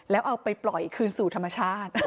แล้วเอาไปปล่อยคืนสู่ธรรมชาติ